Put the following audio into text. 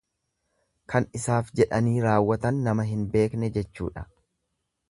Kan isaaf jedhanii raawwatan nama hin beekne jechuudha.